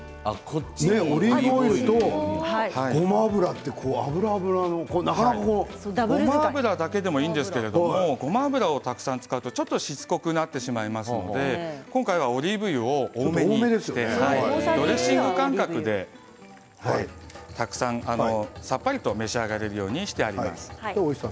オリーブオイルとごま油ってごま油だけでもいいんですが、たくさん使うとちょっとしつこくなってしまいますので今回はオリーブ油を多めにドレッシング感覚でたくさんさっぱりと召し上がれるようにしてあります。